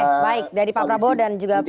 oke baik dari pak prabowo dan juga ganja